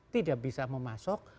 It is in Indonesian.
tidak bisa memasok